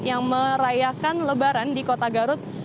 yang merayakan lebaran di kota garut